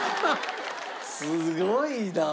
すごいな！